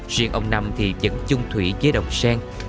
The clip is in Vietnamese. riêng ông năm thì vẫn chung thủy với đồng sen